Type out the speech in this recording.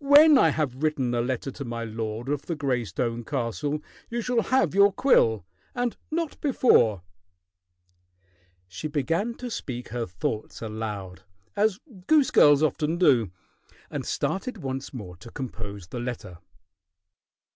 "When I have written a letter to my lord of the gray stone castle, you shall have your quill and not before." She began to speak her thoughts aloud, as goose girls often do, and started once more to compose the letter.